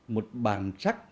một bản sắc